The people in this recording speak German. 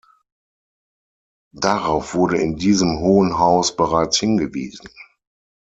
Darauf wurde in diesem Hohen Haus bereits hingewiesen.